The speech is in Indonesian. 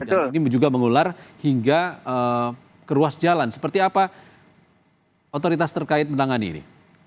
dan ini juga mengular hingga ke ruas jalan seperti apa otoritas terkait menangani ini